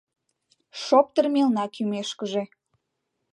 Шоптыр мелна кӱмешкыже